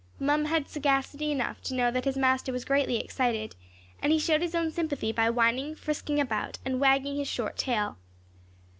Mum had sagacity enough to know that his master was greatly excited, and he showed his own sympathy by whining, frisking about, and wagging his short tail.